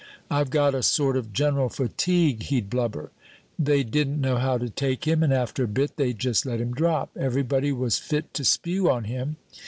'I've got a sort of general fatigue,' he'd blubber. They didn't know how to take him, and after a bit they just let him drop everybody was fit to spew on him.